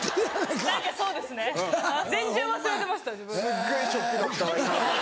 すげぇショックだったわ今。